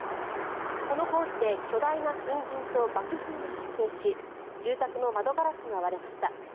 この工事で巨大な粉じんと爆風が発生し住宅の窓ガラスが割れました。